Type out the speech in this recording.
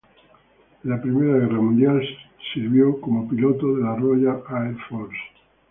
En la Primera Guerra Mundial sirvió como piloto de la Royal Air Force.